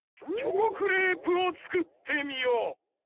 チョコクレープをつくってみよ！